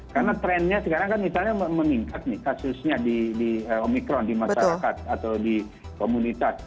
karena trennya sekarang kan misalnya meningkat nih kasusnya di omikron di masyarakat atau di komunitas